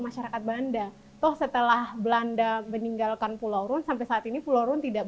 masyarakat banda setelah belanda meninggalkan pulau run sampai saat ini pulau run tidak